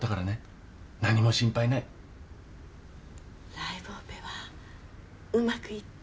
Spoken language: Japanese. ライブオペはうまくいった？